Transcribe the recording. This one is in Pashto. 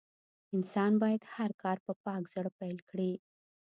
انسان بايد هر کار په پاک زړه پيل کړي.